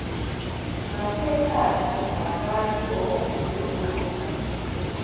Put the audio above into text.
Mateeka ki agaaliwo mu by'okulonda?